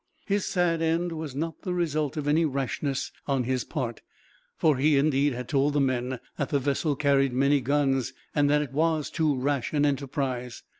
His sad end was not the result of any rashness on his part; for he, indeed, had told the men that the vessel carried many guns, and that it was too rash an enterprise.